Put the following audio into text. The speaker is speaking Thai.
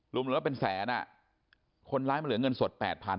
รวมแล้วเป็นแสนคนร้ายมันเหลือเงินสด๘๐๐